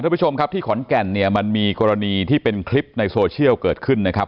ผู้ชมครับที่ขอนแก่นเนี่ยมันมีกรณีที่เป็นคลิปในโซเชียลเกิดขึ้นนะครับ